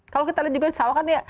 kalau kita lihat juga di sawah kan